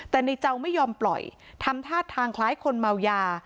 แต่ในเจ้าไม่ยอมปล่อยทำท่าทางคล้ายคนเมายา